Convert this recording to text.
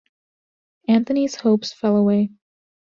Anthony's hopes fell away.